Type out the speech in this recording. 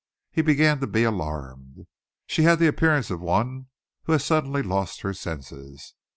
He began to be alarmed. She had the appearance of one who has suddenly lost her senses.